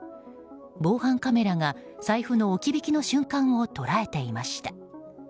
防犯カメラが財布の置き引きの瞬間を捉えていました。